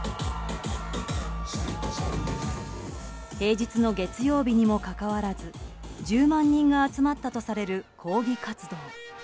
平日の月曜日にもかかわらず１０万人が集まったとされる抗議活動。